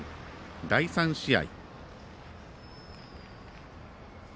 第３試合。